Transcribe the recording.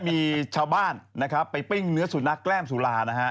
มีชาวบ้านนะครับไปปิ้งเนื้อสุนัขแกล้มสุรานะฮะ